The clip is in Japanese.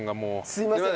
すいません。